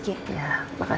tidak ada apa apa